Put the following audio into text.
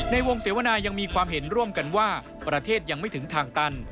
ในวงเสวนายังมีความเห็นร่วมกันว่าประเทศยังไม่ถึงทางตัน